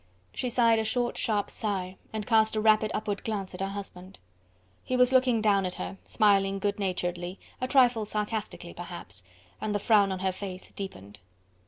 She sighed a short, sharp sigh, and cast a rapid upward glance at her husband. He was looking down at her, smiling good naturedly, a trifle sarcastically perhaps, and the frown on her face deepened.